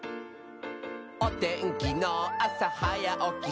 「おてんきのあさはやおきしてね」